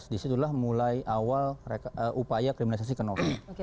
disitulah mulai awal upaya kriminalisasi ke novel